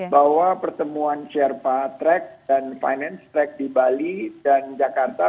bahwa pertemuan sherpa track dan finance track di bali dan jakarta